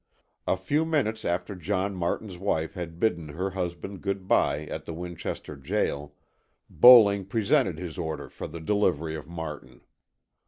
A few minutes after John Martin's wife had bidden her husband good bye at the Winchester jail, Bowling presented his order for the delivery of Martin.